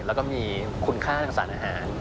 แล้วก็มีคุณค่าทางสารอาหาร